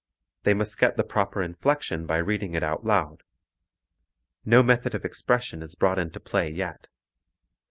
They must get the proper inflection by reading it out loud. No method of expression is brought into play yet.